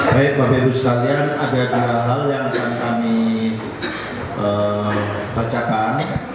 baik bapak ibu sekalian ada dua hal yang akan kami bacakan